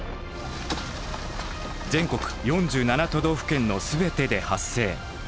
全国４７都道府県の全てで発生。